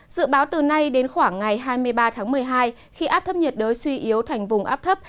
dự báo từ nay đến khoảng ngày hai mươi ba tháng một mươi hai khi áp thấp nhiệt đới suy yếu thành vùng áp thấp